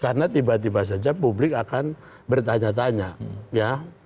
karena tiba tiba saja publik akan bertanya tanya ya